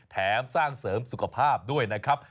แถมสร้างเสริมสุขภาพด้วยนะครับ